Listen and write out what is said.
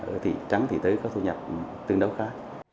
ở thị trắng thị tứ có thu nhập tương đối khá